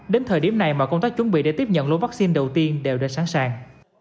đến thời điểm này mọi công tác chuẩn bị để tiếp nhận lô vaccine đầu tiên đều đã sẵn sàng